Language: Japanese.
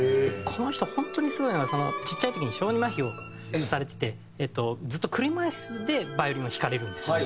この人本当にすごいのはちっちゃい時に小児まひをされててずっと車椅子でバイオリンを弾かれるんですよ。